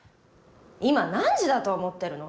今何時だと思ってるの？